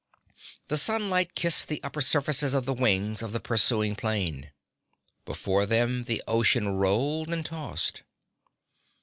The sunlight kissed the upper surfaces of the wings of the pursuing plane. Below them the ocean rolled and tossed.